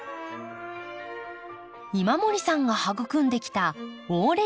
今森さんが育んできたオーレ